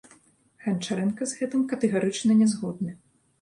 Ганчарэнка з гэтым катэгарычна не згодны.